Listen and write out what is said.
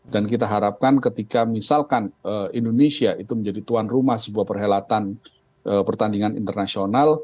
dan kita harapkan ketika misalkan indonesia itu menjadi tuan rumah sebuah perhelatan pertandingan internasional